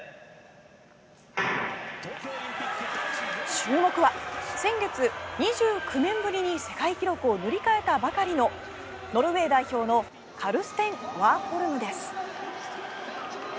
注目は先月２９年ぶりに世界記録を塗り替えたばかりのノルウェー代表のカルステン・ワーホルムです。